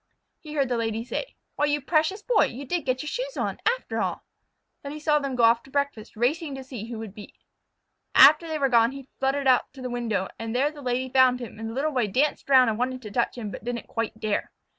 He heard the Lady say: "Why, you precious Boy! You did get your shoes on, after all." Then he saw them go off to breakfast, racing to see who would beat. After they were gone, he fluttered out to the window, and there the Lady found him, and the Little Boy danced around and wanted to touch him, but didn't quite dare.